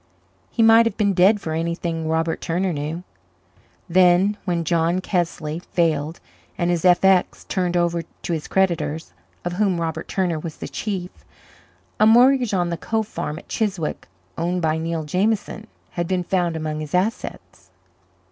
He might have been dead for anything Robert Turner knew. Then, when John Kesley failed and his effects turned over to his creditors, of whom Robert Turner was the chief, a mortgage on the Cove farm at Chiswick, owned by Neil Jameson, had been found among his assets.